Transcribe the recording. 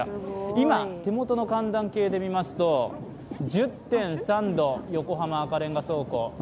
今、手元の寒暖計で見ますと１０．３度、横浜赤レンガ倉庫。